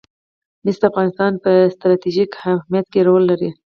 مس د افغانستان په ستراتیژیک اهمیت کې رول لري.